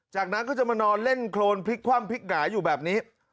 จากนั้นก็จะมานอนเล่นโครนพลิกคว่ำพลิกหงาอยู่แบบนี้